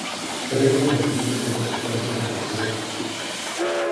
Es rico en quercetina y otras sustancias antioxidantes.